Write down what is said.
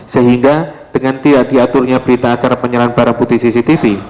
sehingga dengan tidak diaturnya berita acara penyerahan barang putih cctv